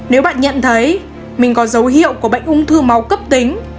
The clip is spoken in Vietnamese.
nếu bạn nhận thấy mình có dấu hiệu của bệnh ung thư máu cấp tính